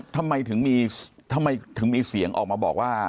ทำไมถึงมีเสียงออกมาบอกว่า